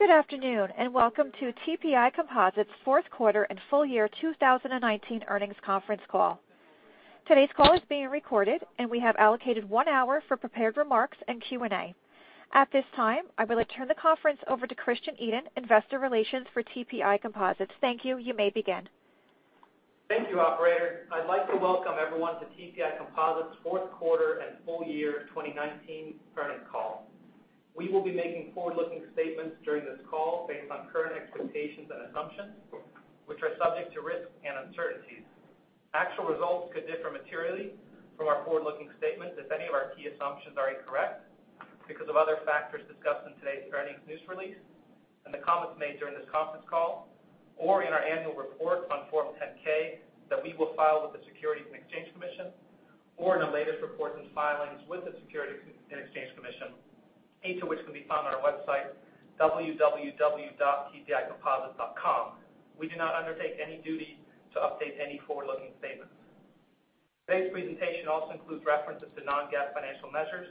Good afternoon, welcome to TPI Composites' fourth quarter and full year 2019 earnings conference call. Today's call is being recorded, and we have allocated one hour for prepared remarks and Q&A. At this time, I will turn the conference over to Christian Edin, Investor Relations for TPI Composites. Thank you. You may begin. Thank you, operator. I'd like to welcome everyone to TPI Composites' fourth quarter and full year 2019 earnings call. We will be making forward-looking statements during this call based on current expectations and assumptions, which are subject to risks and uncertainties. Actual results could differ materially from our forward-looking statements if any of our key assumptions are incorrect because of other factors discussed in today's earnings news release and the comments made during this conference call or in our annual report on Form 10-K that we will file with the Securities and Exchange Commission or in the latest reports and filings with the Securities and Exchange Commission, each of which can be found on our website, www.tpicomposites.com. We do not undertake any duty to update any forward-looking statements. Today's presentation also includes references to non-GAAP financial measures.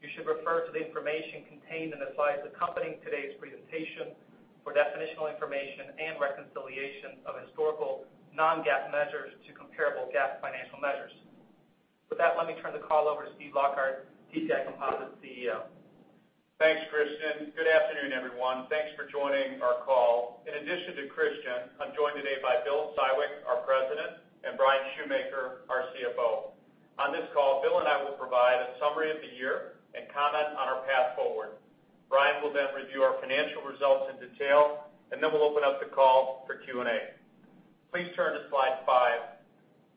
You should refer to the information contained in the slides accompanying today's presentation for definitional information and reconciliation of historical non-GAAP measures to comparable GAAP financial measures. With that, let me turn the call over to Steve Lockard, TPI Composites' CEO. Thanks, Christian. Good afternoon, everyone. Thanks for joining our call. In addition to Christian, I'm joined today by Bill Siwek, our President, and Bryan Schumaker, our CFO. On this call, Bill and I will provide a summary of the year and comment on our path forward. Bryan will then review our financial results in detail, then we'll open up the call for Q&A. Please turn to slide five.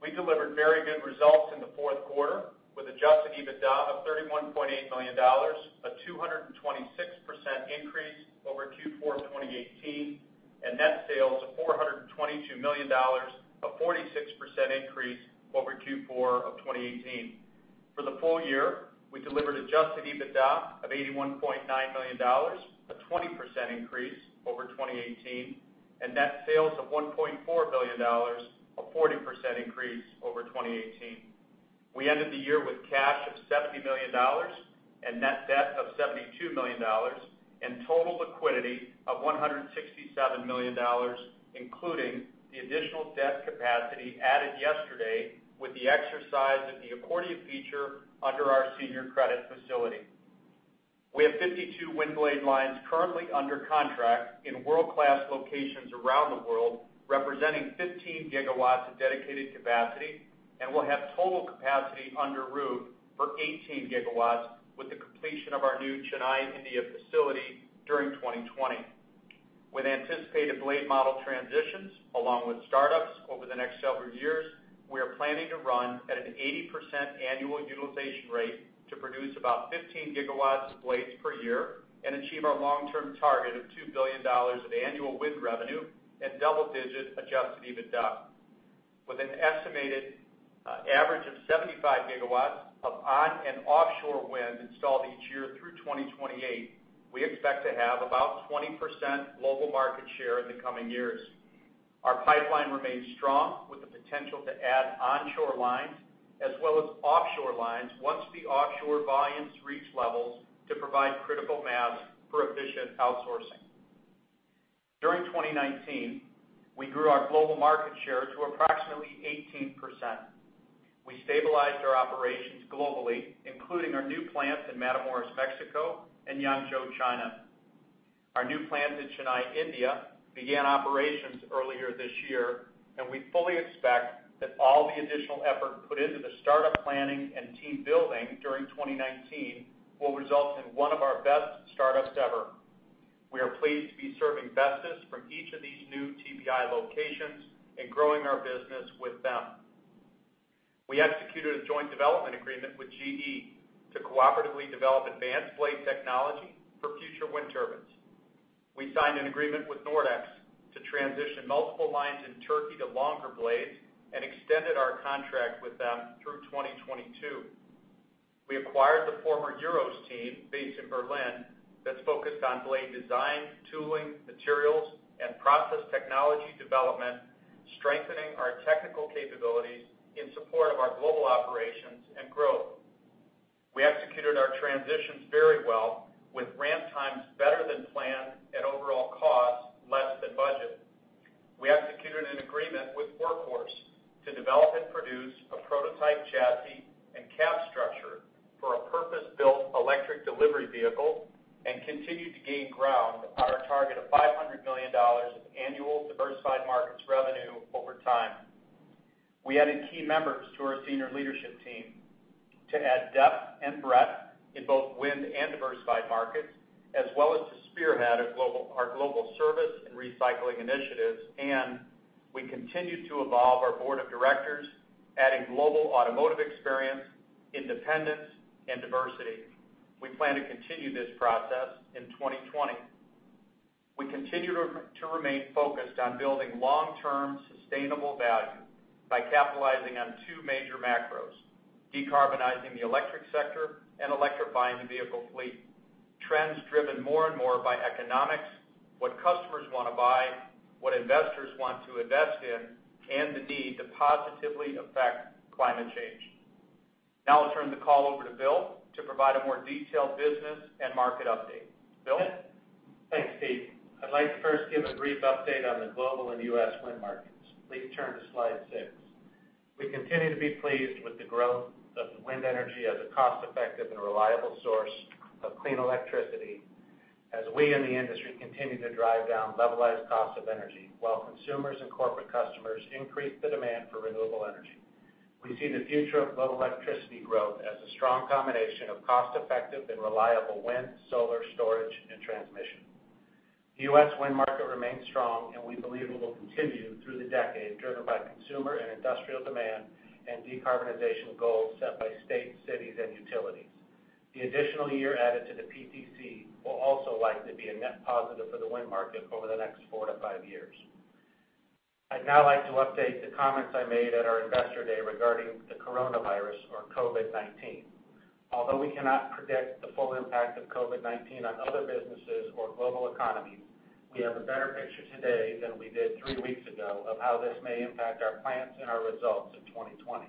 We delivered very good results in the fourth quarter with adjusted EBITDA of $31.8 million, a 226% increase over Q4 2018, and net sales of $422 million, a 46% increase over Q4 of 2018. For the full year, we delivered adjusted EBITDA of $81.9 million, a 20% increase over 2018, and net sales of $1.4 billion, a 40% increase over 2018. We ended the year with cash of $70 million and net debt of $72 million and total liquidity of $167 million, including the additional debt capacity added yesterday with the exercise of the accordion feature under our senior credit facility. We have 52 wind blade lines currently under contract in world-class locations around the world, representing 15 GW of dedicated capacity and will have total capacity under roof for 18 GW with the completion of our new Chennai, India facility during 2020. With anticipated blade model transitions, along with startups over the next several years, we are planning to run at an 80% annual utilization rate to produce about 15 GW of blades per year and achieve our long-term target of $2 billion of annual wind revenue and double-digit adjusted EBITDA. With an estimated average of 75 GW of on and offshore wind installed each year through 2028, we expect to have about 20% global market share in the coming years. Our pipeline remains strong with the potential to add onshore lines as well as offshore lines once the offshore volumes reach levels to provide critical mass for efficient outsourcing. During 2019, we grew our global market share to approximately 18%. We stabilized our operations globally, including our new plants in Matamoros, Mexico, and Yangzhou, China. Our new plant in Chennai, India began operations earlier this year, and we fully expect that all the additional effort put into the startup planning and team building during 2019 will result in one of our best startups ever. We are pleased to be serving Vestas from each of these new TPI locations and growing our business with them. We executed a joint development agreement with GE to cooperatively develop advanced blade technology for future wind turbines. We signed an agreement with Nordex to transition multiple lines in Turkey to longer blades and extended our contract with them through 2022. We acquired the former EUROS team based in Berlin that's focused on blade design, tooling, materials, and process technology development, strengthening our technical capabilities in support of our global operations and growth. We executed our transitions very well with ramp times better than planned and overall costs less than budget. We executed an agreement with Workhorse to develop and produce a prototype chassis and cab structure for a purpose-built electric delivery vehicle and continued to gain ground on our target of $500 million of annual diversified markets revenue over time. We added key members to our senior leadership team to add depth and breadth in both wind and diversified markets, as well as to spearhead our global service and recycling initiatives. We continued to evolve our board of directors, adding global automotive experience, independence, and diversity. We plan to continue this process in 2020. We continue to remain focused on building long-term sustainable value by capitalizing on two major macros, decarbonizing the electric sector and electrifying the vehicle fleet. Trends driven more and more by economics, what customers want to buy, what investors want to invest in, and the need to positively affect climate change. Now I'll turn the call over to Bill to provide a more detailed business and market update. Bill? Thanks, Steve. I'd like to first give a brief update on the global and U.S. wind markets. Please turn to slide six. We continue to be pleased with the growth of wind energy as a cost-effective and reliable source of clean electricity, as we in the industry continue to drive down levelized cost of energy, while consumers and corporate customers increase the demand for renewable energy. We see the future of global electricity growth as a strong combination of cost-effective and reliable wind, solar storage, and transmission. The U.S. wind market remains strong, and we believe it will continue through the decade, driven by consumer and industrial demand, and decarbonization goals set by states, cities, and utilities. The additional year added to the PTC will also likely be a net positive for the wind market over the next four to five years. I'd now like to update the comments I made at our Investor Day regarding the coronavirus or COVID-19. Although we cannot predict the full impact of COVID-19 on other businesses or global economies, we have a better picture today than we did three weeks ago of how this may impact our plants and our results in 2020.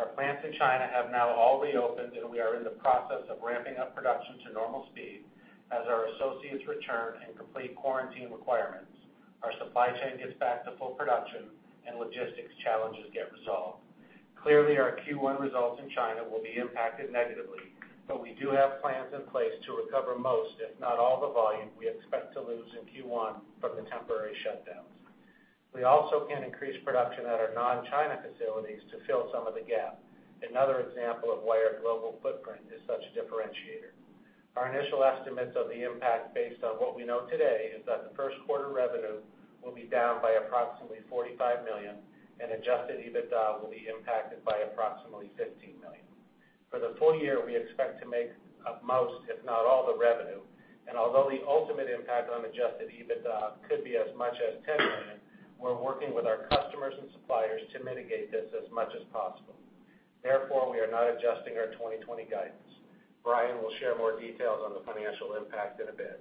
Our plants in China have now all reopened, and we are in the process of ramping up production to normal speed as our associates return and complete quarantine requirements, our supply chain gets back to full production, and logistics challenges get resolved. Clearly, our Q1 results in China will be impacted negatively. We do have plans in place to recover most, if not all the volume we expect to lose in Q1 from the temporary shutdowns. We also can increase production at our non-China facilities to fill some of the gap. Another example of why our global footprint is such a differentiator. Our initial estimates of the impact, based on what we know today, is that the first quarter revenue will be down by approximately $45 million, and adjusted EBITDA will be impacted by approximately $15 million. For the full year, we expect to make up most, if not all the revenue, and although the ultimate impact on adjusted EBITDA could be as much as $10 million, we're working with our customers and suppliers to mitigate this as much as possible. Therefore, we are not adjusting our 2020 guidance. Bryan will share more details on the financial impact in a bit.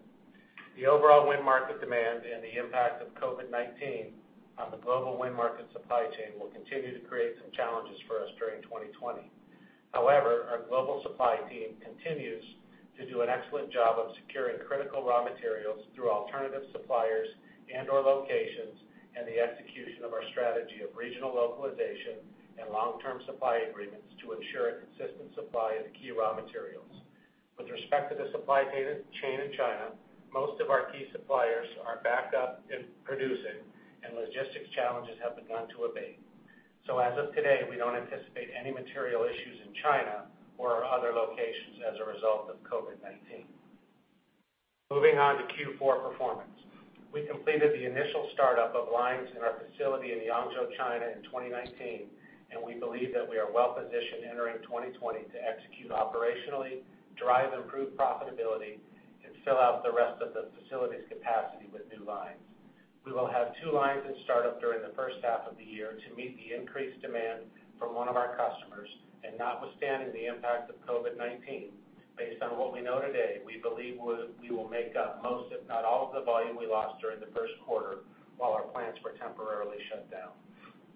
The overall wind market demand and the impact of COVID-19 on the global wind market supply chain will continue to create some challenges for us during 2020. However, our global supply team continues to do an excellent job of securing critical raw materials through alternative suppliers and/or locations, and the execution of our strategy of regional localization and long-term supply agreements to ensure a consistent supply of the key raw materials. With respect to the supply chain in China, most of our key suppliers are back up and producing, and logistics challenges have begun to abate. As of today, we don't anticipate any material issues in China or our other locations as a result of COVID-19. Moving on to Q4 performance. We completed the initial startup of lines in our facility in Yangzhou, China in 2019, and we believe that we are well-positioned entering 2020 to execute operationally, drive improved profitability, and fill out the rest of the facility's capacity with new lines. We will have two lines in startup during the first half of the year to meet the increased demand from one of our customers, and notwithstanding the impact of COVID-19, based on what we know today, we believe we will make up most, if not all, of the volume we lost during the first quarter while our plants were temporarily shut down.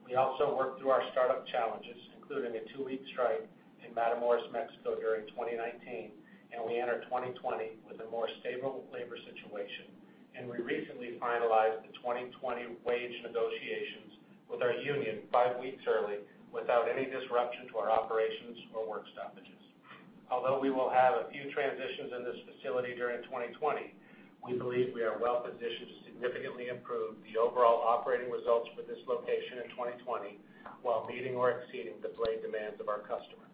We also worked through our startup challenges, including a two-week strike in Matamoros, Mexico during 2019, and we enter 2020 with a more stable labor situation. We recently finalized the 2020 wage negotiations with our union five weeks early without any disruption to our operations or work stoppages. Although we will have a few transitions in this facility during 2020, we believe we are well-positioned to significantly improve the overall operating results for this location in 2020 while meeting or exceeding the blade demands of our customers.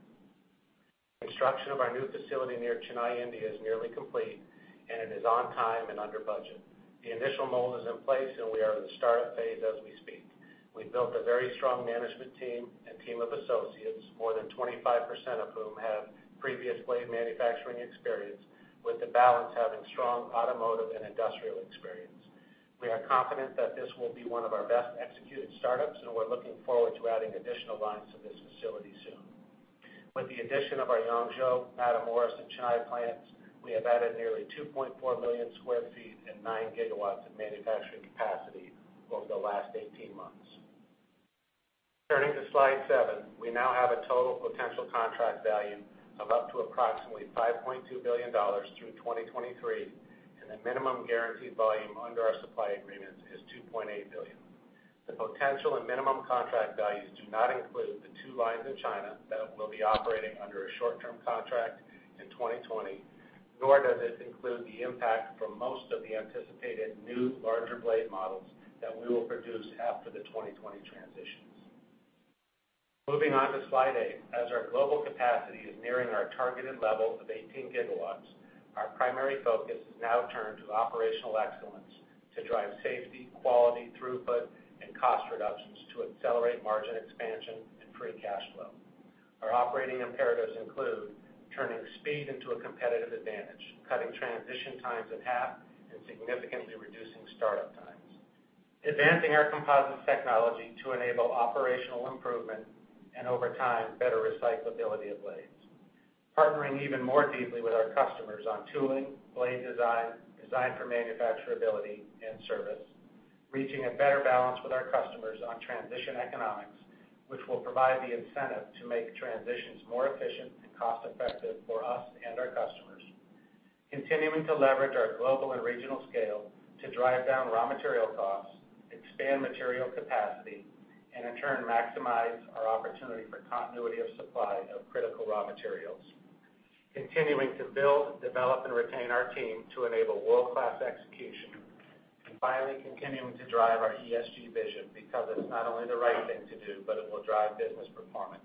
Construction of our new facility near Chennai, India is nearly complete, and it is on time and under budget. The initial mold is in place, and we are in the startup phase as we speak. We've built a very strong management team and team of associates, more than 25% of whom have previous blade manufacturing experience, with the balance having strong automotive and industrial experience. We are confident that this will be one of our best-executed startups, and we're looking forward to adding additional lines to this facility soon. With the addition of our Yangzhou, Matamoros, and Chennai plants, we have added nearly 2.4 million sq ft and 9 GW of manufacturing capacity over the last 18 months. Turning to slide seven. We now have a total potential contract value of up to approximately $5.2 billion through 2023, and the minimum guaranteed volume under our supply agreements is $2.8 billion. The potential and minimum contract values do not include the two lines in China that will be operating under a short-term contract in 2020, nor does this include the impact from most of the anticipated new larger blade models that we will produce after the 2020 transitions. Moving on to slide eight. As our global capacity is nearing our targeted level of 18 GW, our primary focus has now turned to operational excellence to drive safety, quality, throughput, and cost reductions to accelerate margin expansion and free cash flow. Our operating imperatives include turning speed into a competitive advantage, cutting transition times in half, and significantly reducing startup times. Advancing our composites technology to enable operational improvement and over time, better recyclability of blades. Partnering even more deeply with our customers on tooling, blade design for manufacturability, and service. Reaching a better balance with our customers on transition economics, which will provide the incentive to make transitions more efficient and cost-effective for us and our customers. Continuing to leverage our global and regional scale to drive down raw material costs, expand material capacity, and in turn maximize our opportunity for continuity of supply of critical raw materials. Continuing to build, develop, and retain our team to enable world-class execution. Finally, continuing to drive our ESG vision because it's not only the right thing to do, but it will drive business performance.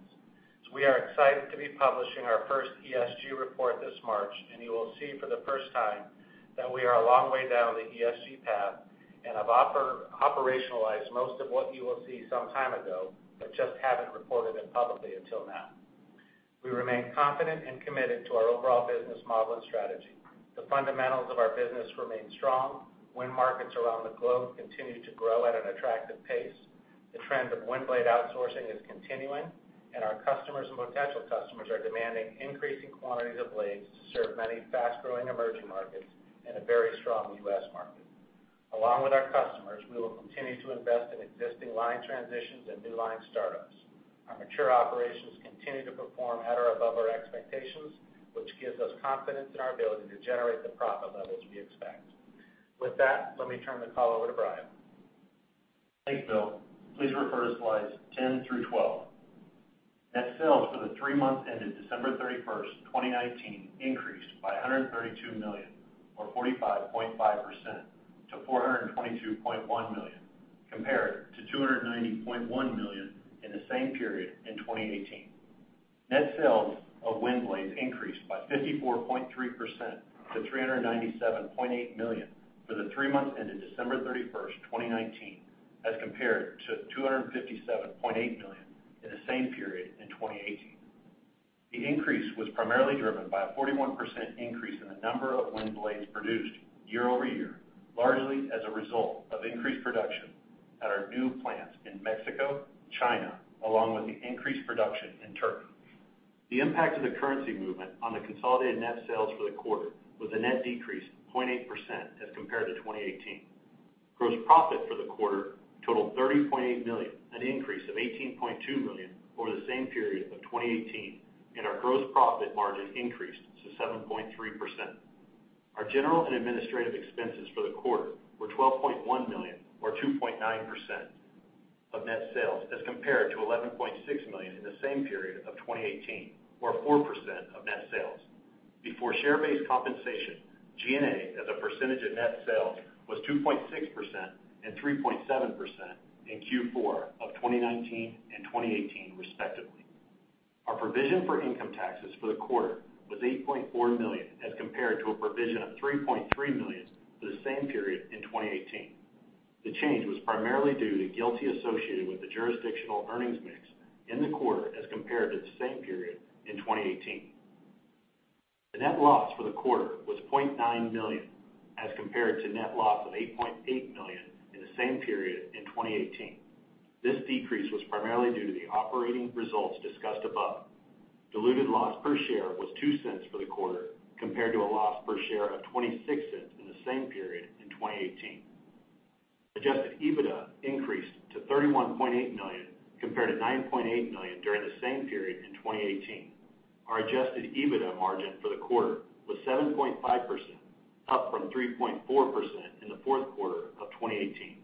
We are excited to be publishing our first ESG report this March, and you will see for the first time that we are a long way down the ESG path and have operationalized most of what you will see some time ago, but just haven't reported it publicly until now. We remain confident and committed to our overall business model and strategy. The fundamentals of our business remain strong. Wind markets around the globe continue to grow at an attractive pace. The trend of wind blade outsourcing is continuing, and our customers and potential customers are demanding increasing quantities of blades to serve many fast-growing emerging markets and a very strong U.S. market. Along with our customers, we will continue to invest in existing line transitions and new line startups. Our mature operations continue to perform at or above our expectations, which gives us confidence in our ability to generate the profit levels we expect. With that, let me turn the call over to Bryan. Thanks, Bill. Please refer to slides 10 through 12. Net sales for the three months ended December 31st, 2019 increased by $132 million, or 45.5%, to $422.1 million, compared to $290.1 million in the same period in 2018. Net sales of wind blades increased by 54.3% to $397.8 million for the three months ended December 31st, 2019, as compared to $257.8 million in the same period in 2018. The increase was primarily driven by a 41% increase in the number of wind blades produced year-over-year, largely as a result of increased production at our new plants in Mexico, China, along with the increased production in Turkey. The impact of the currency movement on the consolidated net sales for the quarter was a net decrease of 0.8% as compared to 2018. Gross profit for the quarter totaled $30.8 million, an increase of $18.2 million over the same period of 2018, and our gross profit margin increased to 7.3%. Our general and administrative expenses for the quarter were $12.1 million or 2.9% of net sales as compared to $11.6 million in the same period of 2018 or 4% of net sales. Before share-based compensation, G&A as a percentage of net sales was 2.6% and 3.7% in Q4 of 2019 and 2018 respectively. Our provision for income taxes for the quarter was $8.4 million as compared to a provision of $3.3 million for the same period in 2018. The change was primarily due to GILTI associated with the jurisdictional earnings mix in the quarter as compared to the same period in 2018. The net loss for the quarter was $0.9 million as compared to net loss of $8.8 million in the same period in 2018. This decrease was primarily due to the operating results discussed above. Diluted loss per share was $0.02 for the quarter compared to a loss per share of $0.26 in the same period in 2018. Adjusted EBITDA increased to $31.8 million compared to $9.8 million during the same period in 2018. Our adjusted EBITDA margin for the quarter was 7.5%, up from 3.4% in the fourth quarter of 2018.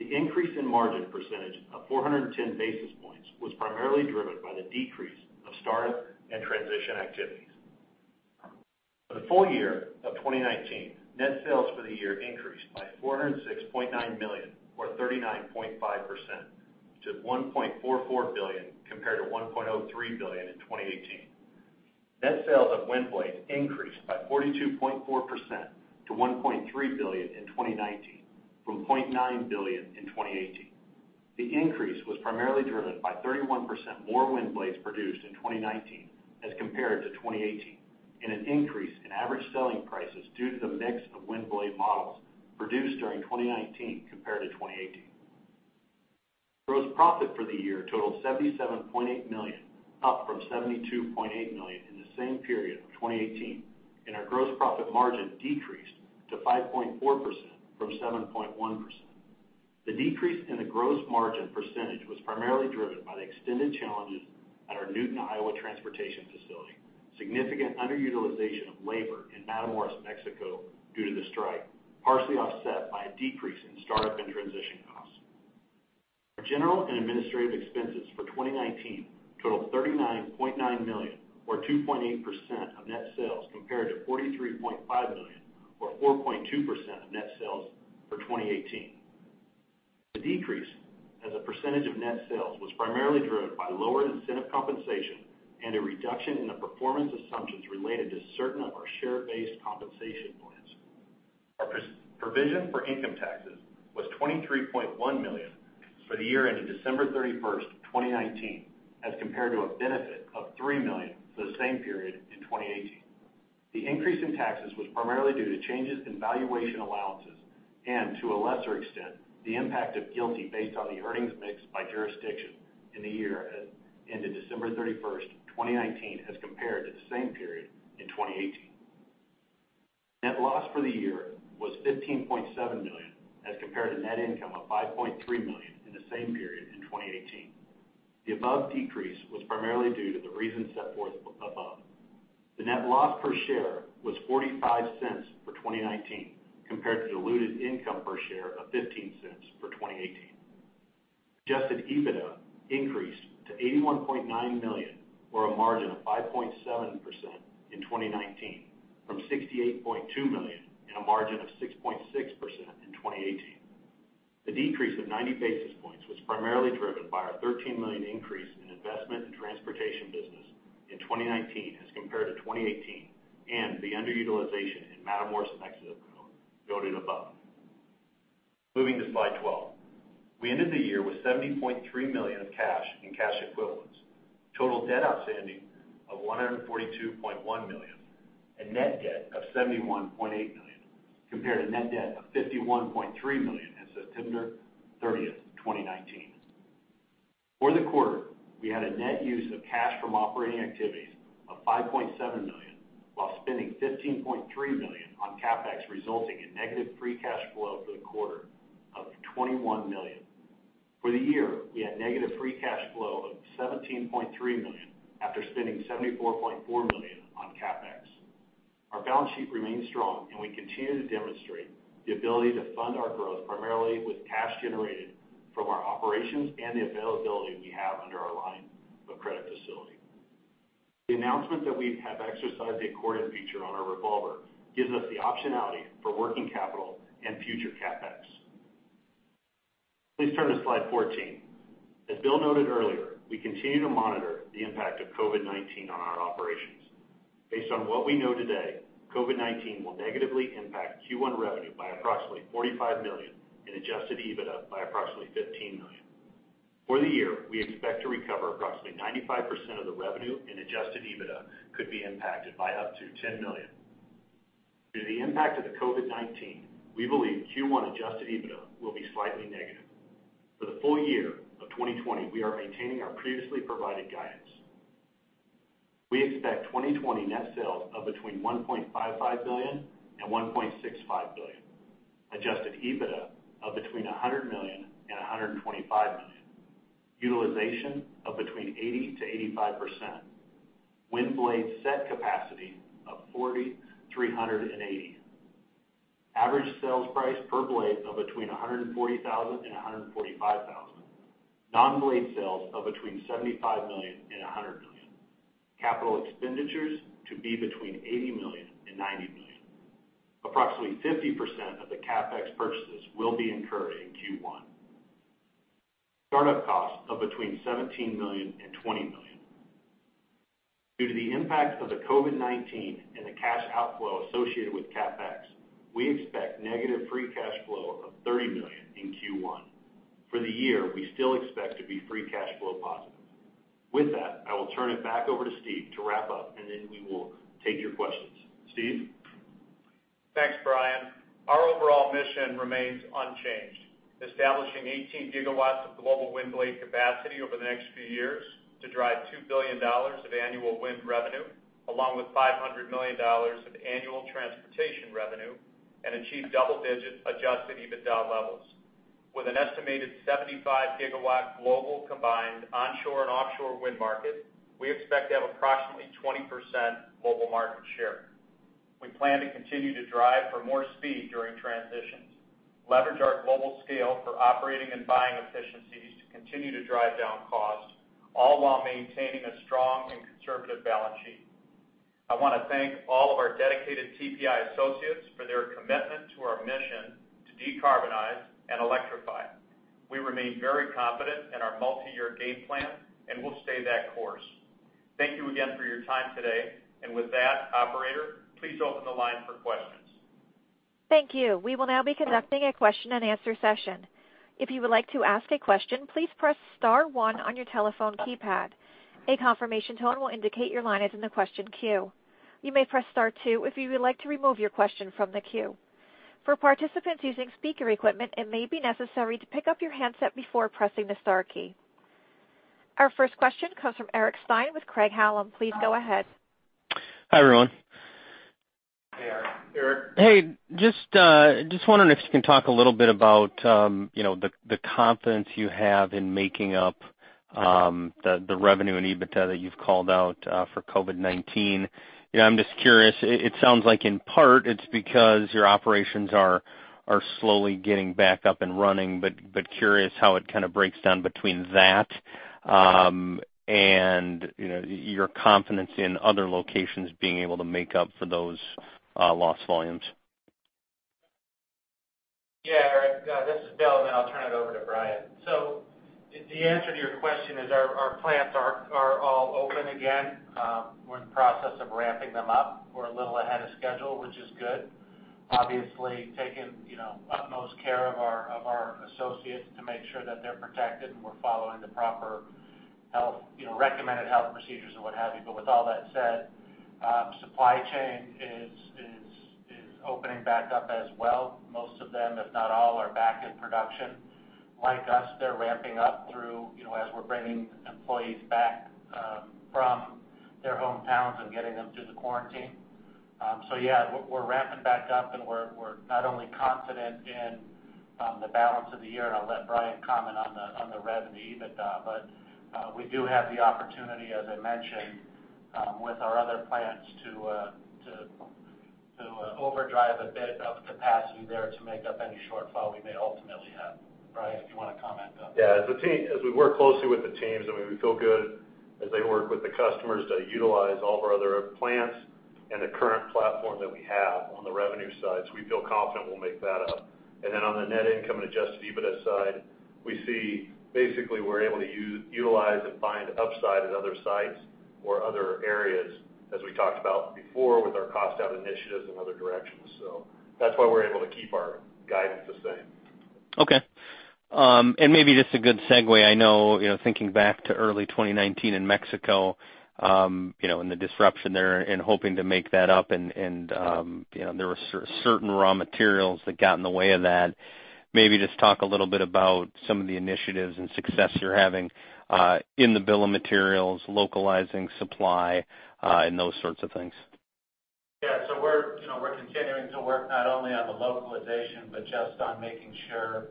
The increase in margin percentage of 410 basis points was primarily driven by the decrease of startup and transition activities. For the full year of 2019, net sales for the year increased by $406.9 million or 39.5% to $1.44 billion compared to $1.03 billion in 2018. Net sales of wind blades increased by 42.4% to $1.3 billion in 2019 from $0.9 billion in 2018. The increase was primarily driven by 31% more wind blades produced in 2019 as compared to 2018, and an increase in average selling prices due to the mix of wind blade models produced during 2019 compared to 2018. Gross profit for the year totaled $77.8 million, up from $72.8 million in the same period of 2018, and our gross profit margin decreased to 5.4% from 7.1%. The decrease in the gross margin percentage was primarily driven by the extended challenges at our Newton, Iowa transportation facility. Significant underutilization of labor in Matamoros, Mexico, due to the strike, partially offset by a decrease in startup and transition costs. Our general and administrative expenses for 2019 totaled $39.9 million or 2.8% of net sales compared to $43.5 million or 4.2% of net sales for 2018. The decrease as a percentage of net sales was primarily driven by lower incentive compensation and a reduction in the performance assumptions related to certain of our share-based compensation plans. Our provision for income taxes was $23.1 million for the year ending December 31st, 2019 as compared to a benefit of three million for the same period in 2018. The increase in taxes was primarily due to changes in valuation allowances and, to a lesser extent, the impact of GILTI based on the earnings mix by jurisdiction in the year ended December 31st, 2019, as compared to the same period in 2018. Net loss for the year was $15.7 million as compared to net income of $5.3 million in the same period in 2018. The above decrease was primarily due to the reasons set forth above. The net loss per share was $0.45 for 2019 compared to diluted income per share of $0.15 for 2018. Adjusted EBITDA increased to $81.9 million or a margin of 5.7% in 2019 from $68.2 million and a margin of 6.6% in 2018. The decrease of 90 basis points was primarily driven by our $13 million increase in investment and transportation business in 2019 as compared to 2018, and the underutilization in Matamoros and Mexico noted above. Moving to slide 12. We ended the year with $70.3 million of cash in cash equivalents, total debt outstanding of $142.1 million, and net debt of $71.8 million, compared to net debt of $51.3 million as of September 30th, 2019. For the quarter, we had a net use of cash from operating activities of $5.7 million while spending $15.3 million on CapEx, resulting in negative free cash flow for the quarter of $21 million. For the year, we had negative free cash flow of $17.3 million after spending $74.4 million on CapEx. Our balance sheet remains strong, and we continue to demonstrate the ability to fund our growth primarily with cash generated from our operations and the availability we have under our line of credit facility. The announcement that we have exercised the accordion feature on our revolver gives us the optionality for working capital and future CapEx. Please turn to slide 14. As Bill noted earlier, we continue to monitor the impact of COVID-19 on our operations. Based on what we know today, COVID-19 will negatively impact Q1 revenue by approximately $45 million and adjusted EBITDA by approximately $15 million. For the year, we expect to recover approximately 95% of the revenue, and adjusted EBITDA could be impacted by up to $10 million. Due to the impact of the COVID-19, we believe Q1 adjusted EBITDA will be slightly negative. For the full year of 2020, we are maintaining our previously provided guidance. We expect 2020 net sales of between $1.55 billion-$1.65 billion, adjusted EBITDA of between $100 million-$125 million, utilization of between 80%-85%, wind blade set capacity of 4,380, average sales price per blade of between $140,000-$145,000, non-blade sales of between $75 million-$100 million. Capital expenditures to be between $80 million-$90 million. Approximately 50% of the CapEx purchases will be incurred in Q1. Start-up costs of between $17 million and $20 million. Due to the impact of the COVID-19 and the cash outflow associated with CapEx, we expect negative free cash flow of $30 million in Q1. For the year, we still expect to be free cash flow positive. With that, I will turn it back over to Steve to wrap up, and then we will take your questions. Steve? Thanks, Bryan. Our overall mission remains unchanged, establishing 18 GW of global wind blade capacity over the next few years to drive $2 billion of annual wind revenue, along with $500 million of annual transportation revenue and achieve double-digit adjusted EBITDA levels. With an estimated 75-GW global combined onshore and offshore wind market, we expect to have approximately 20% global market share. We plan to continue to drive for more speed during transitions, leverage our global scale for operating and buying efficiencies to continue to drive down costs, all while maintaining a strong and conservative balance sheet. I want to thank all of our dedicated TPI associates for their commitment to our mission to decarbonize and electrify. We remain very confident in our multi-year game plan, we'll stay that course. Thank you again for your time today. With that, operator, please open the line for questions. Thank you. We will now be conducting a question and answer session. If you would like to ask a question, please press star one on your telephone keypad. A confirmation tone will indicate your line is in the question queue. You may press star two if you would like to remove your question from the queue. For participants using speaker equipment, it may be necessary to pick up your handset before pressing the star key. Our first question comes from Eric Stine with Craig-Hallum. Please go ahead. Hi, everyone. Hey, Eric. Hey, just wondering if you can talk a little bit about the confidence you have in making up the revenue and EBITDA that you've called out for COVID-19. I'm just curious. It sounds like in part it's because your operations are slowly getting back up and running, but curious how it kind of breaks down between that and your confidence in other locations being able to make up for those lost volumes. Yeah, Eric. This is Bill, and then I'll turn it over to Bryan. The answer to your question is our plants are all open again. We're in the process of ramping them up. We're a little ahead of schedule, which is good. Taking utmost care of our associates to make sure that they're protected, and we're following the proper recommended health procedures and what have you. With all that said, supply chain is opening back up as well. Most of them, if not all, are back in production. Like us, they're ramping up through as we're bringing employees back from their hometowns and getting them through the quarantine. Yeah, we're ramping back up and we're not only confident in the balance of the year, and I'll let Bryan comment on the revenue EBITDA, but we do have the opportunity, as I mentioned, with our other plants to overdrive a bit of capacity there to make up any shortfall we may ultimately have. Bryan, if you want to comment. Yeah. As we work closely with the teams, we feel good as they work with the customers to utilize all of our other plants and the current platform that we have on the revenue side. We feel confident we'll make that up. On the net income and adjusted EBITDA side, we see basically we're able to utilize and find upside at other sites or other areas as we talked about before with our cost-out initiatives and other directions. That's why we're able to keep our guidance the same. Okay. Maybe just a good segue. I know, thinking back to early 2019 in Mexico, and the disruption there and hoping to make that up, and there were certain raw materials that got in the way of that. Maybe just talk a little bit about some of the initiatives and success you're having in the bill of materials, localizing supply, and those sorts of things. Yeah. We're continuing to work not only on the localization but just on making sure,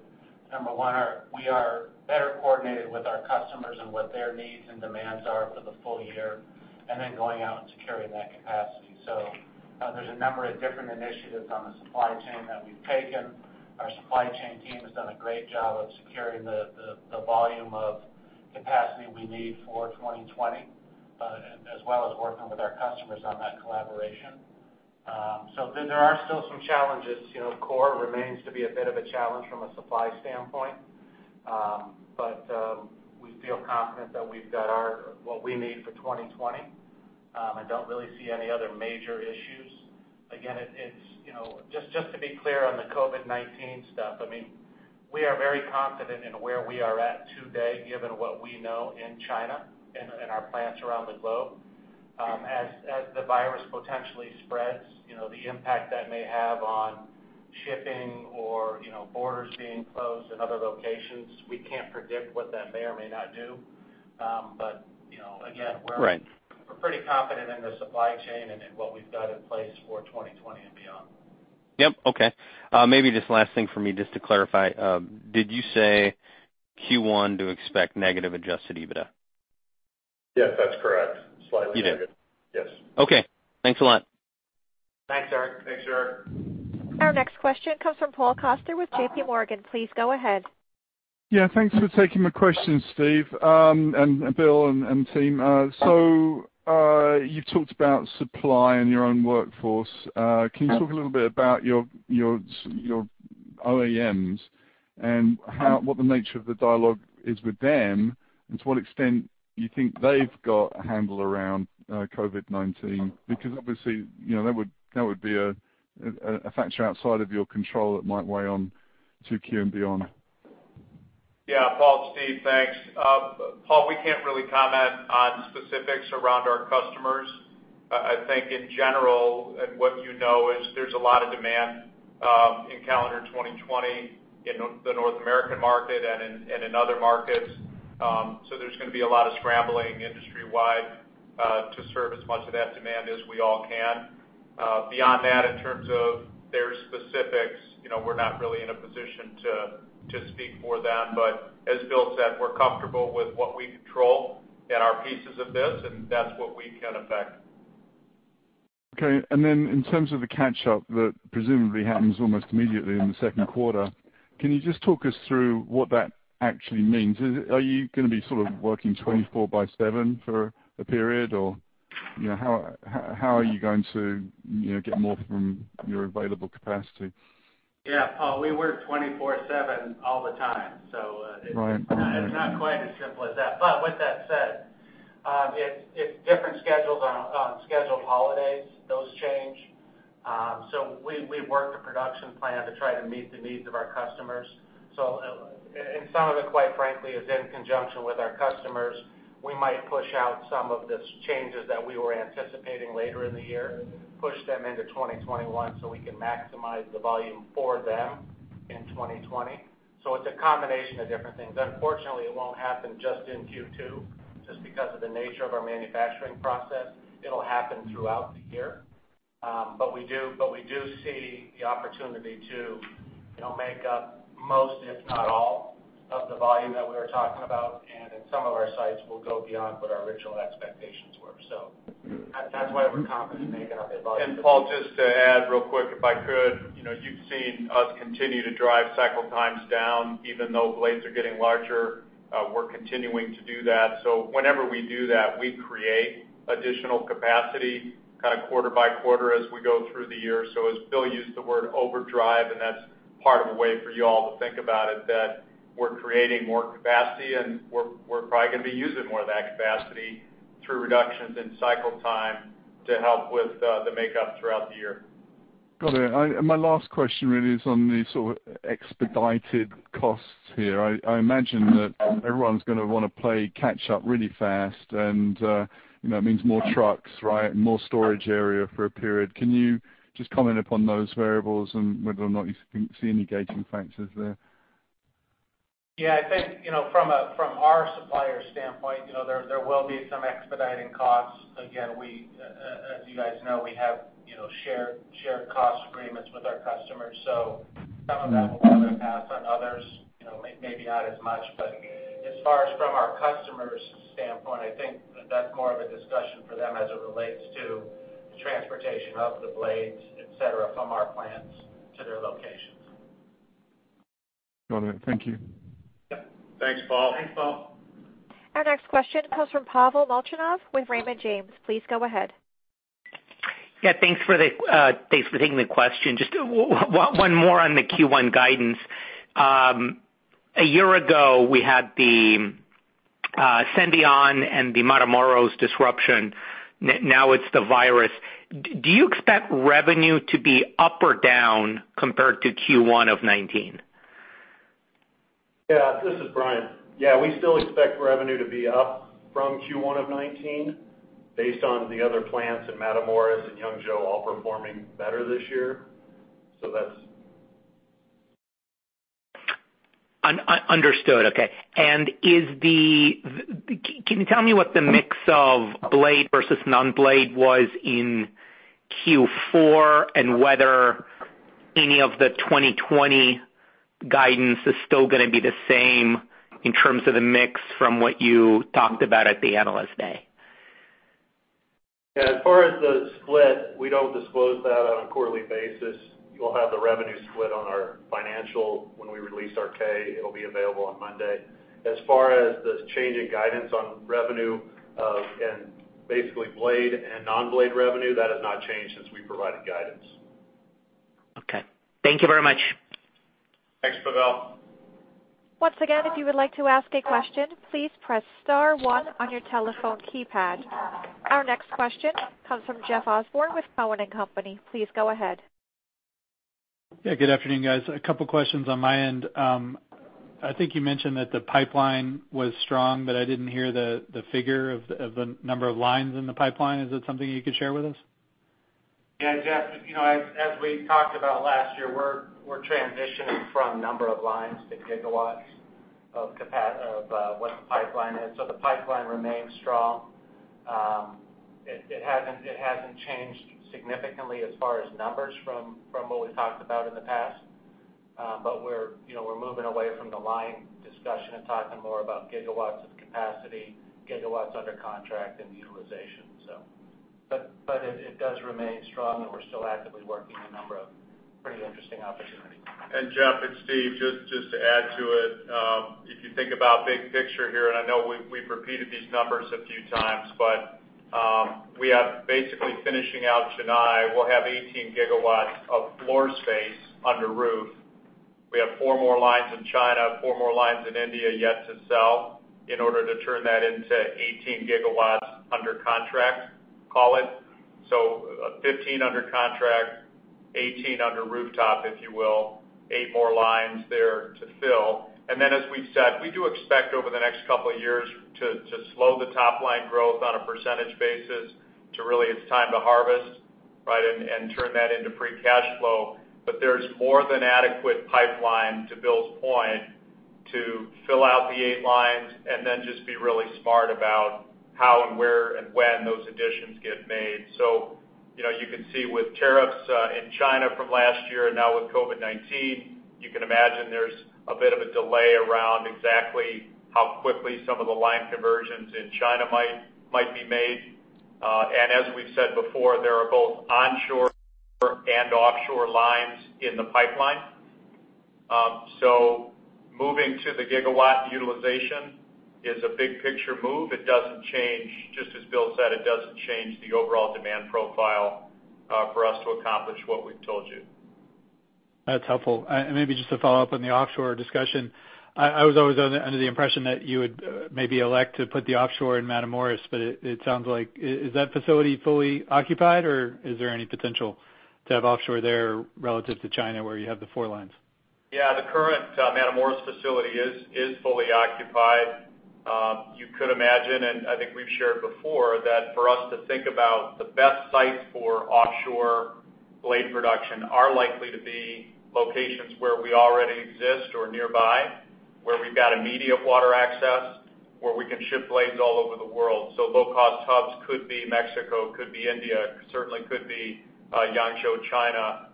number one, we are better coordinated with our customers and what their needs and demands are for the full year, and then going out and securing that capacity. There's a number of different initiatives on the supply chain that we've taken. Our supply chain team has done a great job of securing the volume of capacity we need for 2020, as well as working with our customers on that collaboration. There are still some challenges. Core remains to be a bit of a challenge from a supply standpoint. We feel confident that we've got what we need for 2020, and don't really see any other major issues. Just to be clear on the COVID-19 stuff, we are very confident in where we are at today, given what we know in China and in our plants around the globe. As the virus potentially spreads, the impact that may have on shipping or borders being closed in other locations, we can't predict what that may or may not do we're pretty confident in the supply chain and in what we've got in place for 2020 and beyond. Yep. Okay. Maybe just last thing from me, just to clarify. Did you say Q1 to expect negative adjusted EBITDA? Yes, that's correct. Slightly negative. You did. Yes. Okay. Thanks a lot. Thanks, Eric. Thanks, Eric. Our next question comes from Paul Coster with JPMorgan. Please go ahead. Yeah. Thanks for taking my questions, Steve, and Bill, and team. You've talked about supply and your own workforce. Can you talk a little bit about your OEMs, and what the nature of the dialogue is with them, and to what extent you think they've got a handle around COVID-19? Because obviously, that would be a factor outside of your control that might weigh on 2Q and beyond. Yeah. Paul, Steve, thanks. Paul, we can't really comment on specifics around our customers. I think in general, and what you know is there's a lot of demand in calendar 2020 in the North American market and in other markets. There's going to be a lot of scrambling industry-wide to serve as much of that demand as we all can. Beyond that, in terms of their specifics, we're not really in a position to speak for them. As Bill said, we're comfortable with what we control and our pieces of this, and that's what we can affect. Okay. In terms of the catch-up that presumably happens almost immediately in the second quarter, can you just talk us through what that actually means? Are you going to be sort of working 24/7 for a period, or how are you going to get more from your available capacity? Yeah, Paul, we work 24/7 all the time. It's not quite as simple as that. With that said, it's different schedules on scheduled holidays. Those change. We work the production plan to try to meet the needs of our customers. Some of it, quite frankly, is in conjunction with our customers. We might push out some of the changes that we were anticipating later in the year, push them into 2021 so we can maximize the volume for them in 2020. It's a combination of different things. Unfortunately, it won't happen just in Q2 just because of the nature of our manufacturing process. It'll happen throughout the year. We do see the opportunity to make up most, if not all, of the volume that we were talking about. In some of our sites, we'll go beyond what our original expectations were. That's why we're confident in making up the volume. Paul, just to add real quick, if I could. You've seen us continue to drive cycle times down, even though blades are getting larger. We're continuing to do that. Whenever we do that, we create additional capacity kind of quarter by quarter as we go through the year. As Bill used the word overdrive, and that's part of a way for you all to think about it, that we're creating more capacity and we're probably going to be using more of that capacity. Through reductions in cycle time to help with the makeup throughout the year. Got it. My last question really is on the sort of expedited costs here. I imagine that everyone's going to want to play catch up really fast, and that means more trucks, right? More storage area for a period. Can you just comment upon those variables and whether or not you see any gating factors there? Yeah, I think from our supplier standpoint, there will be some expediting costs. Again, as you guys know, we have shared cost agreements with our customers, so some of that will get passed on others, maybe not as much. But as far as from our customers' standpoint, I think that that's more of a discussion for them as it relates to the transportation of the blades, et cetera, from our plants to their locations. Got it. Thank you. Yep. Thanks, Paul. Thanks, Paul. Our next question comes from Pavel Molchanov with Raymond James. Please go ahead. Thanks for taking the question. Just one more on the Q1 guidance. A year ago, we had the Senvion and the Matamoros disruption. Now it's the virus. Do you expect revenue to be up or down compared to Q1 of 2019? This is Bryan. We still expect revenue to be up from Q1 of 2019 based on the other plants in Matamoros and Yangzhou all performing better this year. Understood. Okay. Can you tell me what the mix of blade versus non-blade was in Q4 and whether any of the 2020 guidance is still going to be the same in terms of the mix from what you talked about at the Analyst Day? Yeah. As far as the split, we don't disclose that on a quarterly basis. We'll have the revenue split on our financial when we release our K. It'll be available on Monday. As far as the change in guidance on revenue, and basically blade and non-blade revenue, that has not changed since we provided guidance. Okay. Thank you very much. Thanks, Pavel. Once again, if you would like to ask a question, please press star one on your telephone keypad. Our next question comes from Jeff Osborne with Cowen and Company. Please go ahead. Good afternoon, guys. A couple questions on my end. I think you mentioned that the pipeline was strong, but I didn't hear the figure of the number of lines in the pipeline. Is that something you could share with us? Jeff. As we talked about last year, we're transitioning from number of lines to gigawatts of what the pipeline is. The pipeline remains strong. It hasn't changed significantly as far as numbers from what we talked about in the past. We're moving away from the line discussion and talking more about GW of capacity, GW under contract, and utilization. It does remain strong, and we're still actively working a number of pretty interesting opportunities. Jeff, it's Steve, just to add to it. If you think about big picture here, and I know we've repeated these numbers a few times, but we have basically finishing out Chennai. We'll have 18 GW of floor space under roof. We have four more lines in China, four more lines in India yet to sell in order to turn that into 18 GW under contract, call it. 15 under contract, 18 under rooftop, if you will, eight more lines there to fill. As we've said, we do expect over the next couple of years to slow the top-line growth on a % basis to really it's time to harvest, right, and turn that into free cash flow. There's more than adequate pipeline, to Bill's point, to fill out the eight lines and then just be really smart about how and where and when those additions get made. You could see with tariffs in China from last year and now with COVID-19, you can imagine there's a bit of a delay around exactly how quickly some of the line conversions in China might be made. As we've said before, there are both onshore and offshore lines in the pipeline. Moving to the gigawatt utilization is a big-picture move. It doesn't change, just as Bill said, it doesn't change the overall demand profile for us to accomplish what we've told you. That's helpful. Maybe just to follow up on the offshore discussion. I was always under the impression that you would maybe elect to put the offshore in Matamoros. Is that facility fully occupied, or is there any potential to have offshore there relative to China where you have the four lines? Yeah, the current Matamoros facility is fully occupied. You could imagine, and I think we've shared before, that for us to think about the best sites for offshore blade production are likely to be locations where we already exist or nearby, where we've got immediate water access, where we can ship blades all over the world. Low-cost hubs could be Mexico, could be India, certainly could be Yangzhou, China.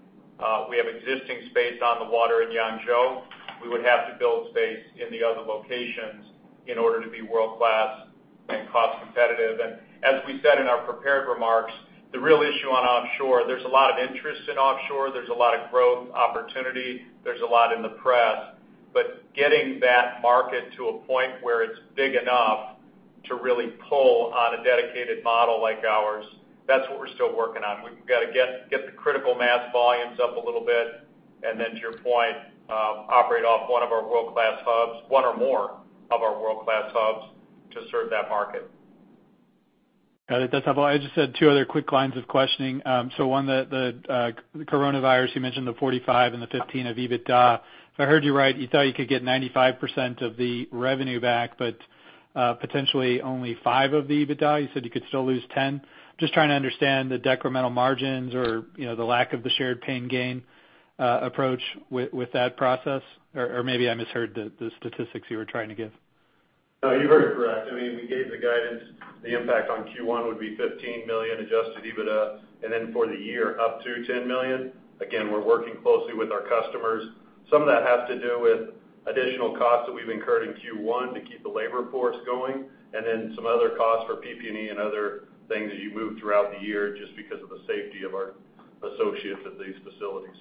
We have existing space on the water in Yangzhou. We would have to build space in the other locations in order to be world-class and cost competitive. As we said in our prepared remarks, the real issue on offshore, there's a lot of interest in offshore, there's a lot of growth opportunity, there's a lot in the press, but getting that market to a point where it's big enough to really pull on a dedicated model like ours, that's what we're still working on. We've got to get the critical mass volumes up a little bit. Then to your point, operate off one of our world-class hubs, one or more of our world-class hubs to serve that market. Got it. That's helpful. I just had two other quick lines of questioning. One, the coronivirus, you mentioned the $45 and the $15 of EBITDA. If I heard you right, you thought you could get 95% of the revenue back, but potentially only $5 of the EBITDA? You said you could still lose $10. I'm just trying to understand the decremental margins or the lack of the shared pain gain approach with that process, or maybe I misheard the statistics you were trying to give. No, you heard it correct. We gave the guidance, the impact on Q1 would be $15 million adjusted EBITDA, and then for the year up to $10 million. Again, we're working closely with our customers. Some of that has to do with additional costs that we've incurred in Q1 to keep the labor force going, and then some other costs for PP&E and other things as you move throughout the year, just because of the safety of our associates at these facilities.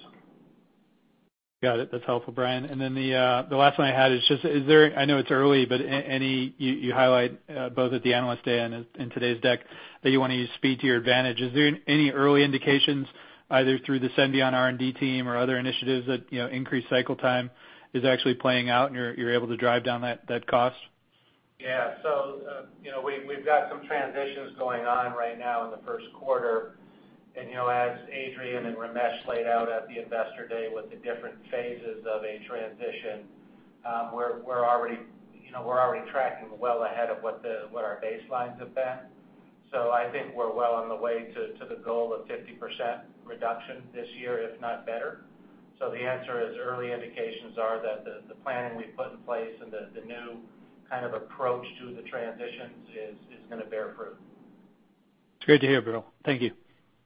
Got it. That's helpful, Bryan. The last one I had is just, I know it's early, but you highlight both at the Analyst Day and in today's deck that you want to use speed to your advantage. Is there any early indications, either through the Senvion R&D team or other initiatives that increased cycle time is actually playing out, and you're able to drive down that cost? Yeah. We've got some transitions going on right now in the first quarter. As Adrian and Ramesh laid out at the Investor Day with the different phases of a transition, we're already tracking well ahead of what our baselines have been. I think we're well on the way to the goal of 50% reduction this year, if not better. The answer is early indications are that the planning we've put in place and the new kind of approach to the transitions is going to bear fruit. It's good to hear, Bill. Thank you. You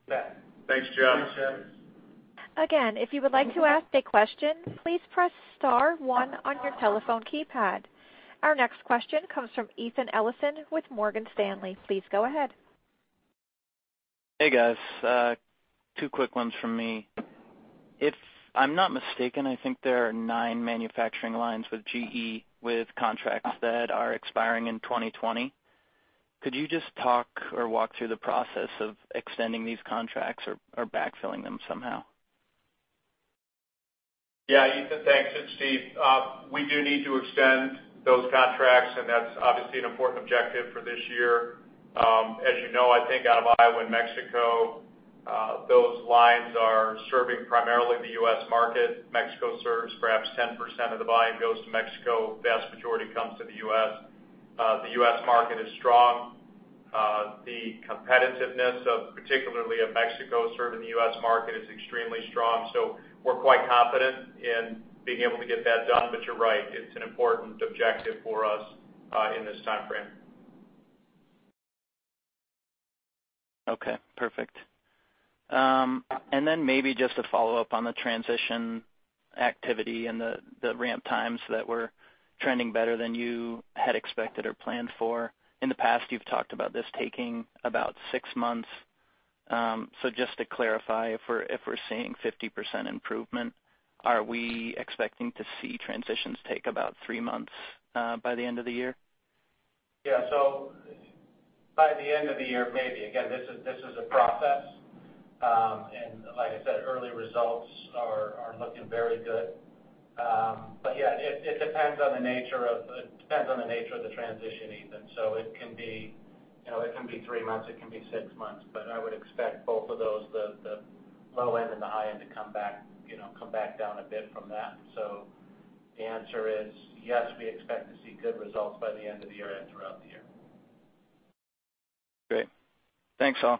bet. Thanks, Jeff. Thanks, Jeff. Again, if you would like to ask a question, please press star one on your telephone keypad. Our next question comes from Ethan Ellison with Morgan Stanley. Please go ahead. Hey, guys. Two quick ones from me. If I'm not mistaken, I think there are nine manufacturing lines with GE with contracts that are expiring in 2020. Could you just talk or walk through the process of extending these contracts or backfilling them somehow? Yeah, Ethan, thanks. It's Steve. We do need to extend those contracts, and that's obviously an important objective for this year. As you know, I think out of Iowa and Mexico, those lines are serving primarily the U.S. market. Mexico serves perhaps 10% of the volume goes to Mexico. Vast majority comes to the U.S. The U.S. market is strong. The competitiveness of particularly of Mexico serving the U.S. market is extremely strong. We're quite confident in being able to get that done. You're right, it's an important objective for us in this timeframe. Okay, perfect. Maybe just to follow up on the transition activity and the ramp times that were trending better than you had expected or planned for. In the past, you've talked about this taking about six months. Just to clarify, if we're seeing 50% improvement, are we expecting to see transitions take about three months by the end of the year? Yeah. By the end of the year, maybe. Again, this is a process. Like I said, early results are looking very good. Yeah, it depends on the nature of the transition, Ethan. It can be three months, it can be six months, but I would expect both of those, the low end and the high end to come back down a bit from that. The answer is yes, we expect to see good results by the end of the year and throughout the year. Great. Thanks, all.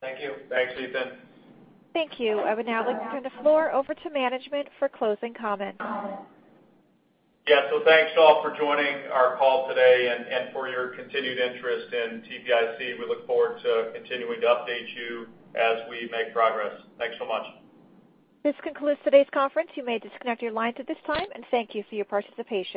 Thank you. Thanks, Ethan. Thank you. I would now like to turn the floor over to management for closing comments. Thanks all for joining our call today and for your continued interest in TPIC. We look forward to continuing to update you as we make progress. Thanks so much. This concludes today's conference. You may disconnect your lines at this time, and thank you for your participation.